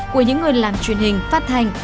của những người làm truyền hình phát thanh